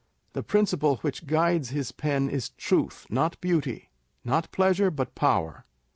The principle which guides his pen is truth, not beauty â€" not pleasure, but power.